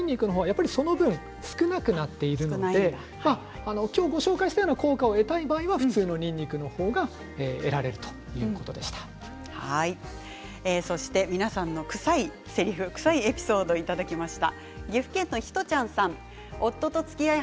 にんにくはその分少なくなっていますので今日ご紹介したような効果を得たい場合には普通のにんにくの方が皆さんのくさいエピソードいただきました。